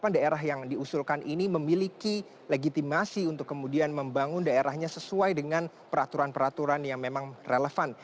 daerah yang diusulkan ini memiliki legitimasi untuk kemudian membangun daerahnya sesuai dengan peraturan peraturan yang memang relevan